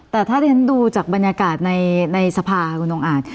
แต่ถ้าที่ฉันดูจากบรรยากาศในสภาคุณองค์อาจ